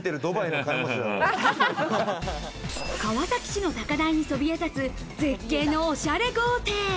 川崎市の高台にそびえ立つ、絶景のおしゃれ豪邸。